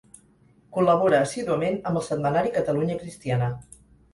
Col·labora assíduament amb el setmanari Catalunya Cristiana.